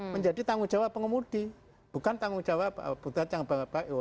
menjadi tanggung jawab pengemudi bukan tanggung jawab buddha canggabanggapa iwo